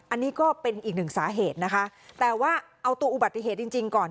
อันนี้ก็เป็นอีกหนึ่งสาเหตุนะคะแต่ว่าเอาตัวอุบัติเหตุจริงจริงก่อน